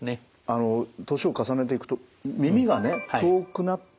あの年を重ねていくと耳がね遠くなって聞きづらい